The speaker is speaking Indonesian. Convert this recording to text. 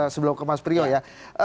sebelum ke mas priyo ya